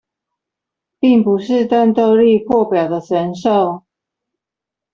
並不是戰鬥力破表的神獸